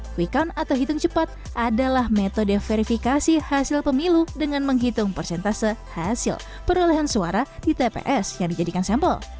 quick count atau hitung cepat adalah metode verifikasi hasil pemilu dengan menghitung persentase hasil perolehan suara di tps yang dijadikan sampel